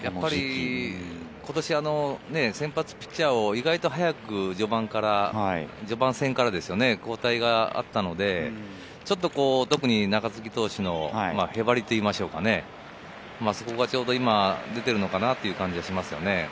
今年、先発ピッチャーを意外と早く序盤から交代があったので、ちょっと特に中継ぎ投手のへばりというか、そこが今、出てるのかなという感じがしますね。